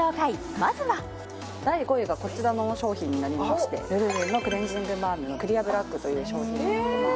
まずは第５位がこちらの商品になりましてルルルンのクレンジングバームのクリアブラックという商品になってます